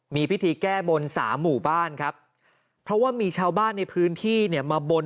มีพิธีแก้บนสามหมู่บ้านครับเพราะว่ามีชาวบ้านในพื้นที่เนี่ยมาบน